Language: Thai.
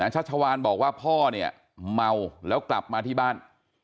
ชัชวานบอกว่าพ่อเนี่ยเมาแล้วกลับมาที่บ้าน